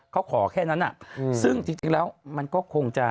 เขาขอแค่นั้นซึ่งจริงแล้วมันก็คงจะ